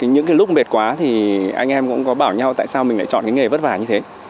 những cái lúc mệt quá thì anh em cũng có bảo nhau tại sao mình lại chọn cái nghề vất vả như thế